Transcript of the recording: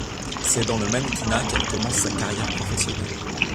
C'est dans le mannequinat qu'elle commence sa carrière professionnelle.